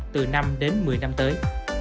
từ năm đến một mươi năm tới